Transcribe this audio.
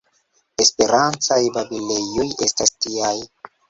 Esperantaj babilejoj estas tiaj.